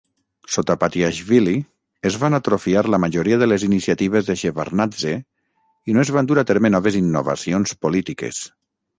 Sota Patiashvili, es van atrofiar la majoria de les iniciatives de Shevardnadze i no es van dur a terme noves innovacions polítiques.